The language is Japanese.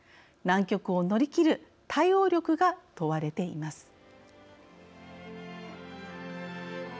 難局を乗り切る対応力が問われています。